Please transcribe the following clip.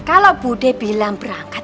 kalau budi bilang berangkat